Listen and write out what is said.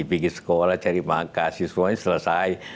pergi sekolah cari makan siswanya selesai